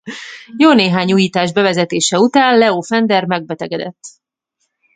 Jó néhány újítás bevezetése után Leo Fender megbetegedett.